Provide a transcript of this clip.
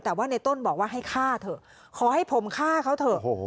แต่ว่าในต้นบอกว่าให้ฆ่าเถอะขอให้ผมฆ่าเขาเถอะ